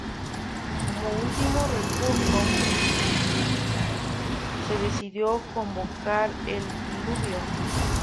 Como último recurso, se decidió convocar el diluvio.